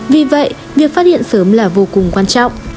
vì vậy việc phát hiện sớm là vô cùng quan trọng